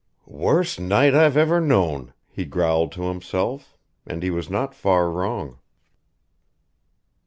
"Worst night I've ever known," he growled to himself; and he was not far wrong.